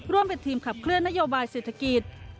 ร่วมเป็นทีมขับเคลื่อนนโยบายเศรษฐกิจ